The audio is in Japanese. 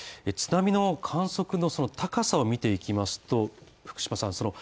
津波の観測のその高さを見ていきますと、福島さん